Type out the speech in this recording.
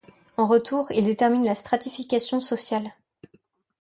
En retour, ils déterminent la stratification sociale.